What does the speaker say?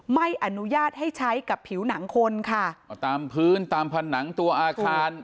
ไม่อนุญาตให้ใช้กับผิวหนังคนค่ะมาตามพื้นตามผนังตัวอาคาร